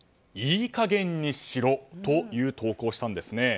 いい加減にしろという投稿をしたんですね。